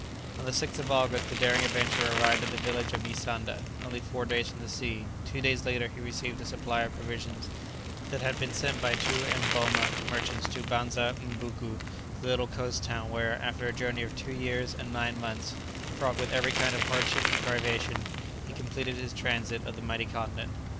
On the 6th of August the daring adventurer arrived at the village of Ni Sanda, only four days from the sea; two days later he received a supply of provisions that had been sent by two Emboma merchants to Banza M'buko, the little coast town where, after a journey of two years and nine months, fraught with every kind of hardship and privation, he completed his transit of the mighty continent.